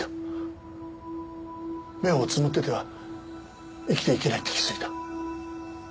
目をつむってては生きていけないって気づいた。